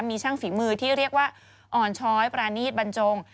มีช่างฝีมือที่เรียกว่าอ่อนช้อยปรานีตบรรจง